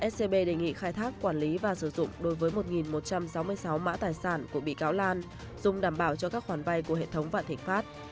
scb đề nghị khai thác quản lý và sử dụng đối với một một trăm sáu mươi sáu mã tài sản của bị cáo lan dùng đảm bảo cho các khoản vay của hệ thống vạn thịnh pháp